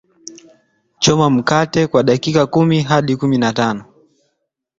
choma mkate kwa dakika kumi hadi kumi na tano